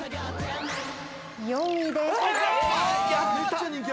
４位です。